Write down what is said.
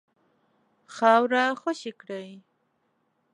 خاوره خوشي کړي.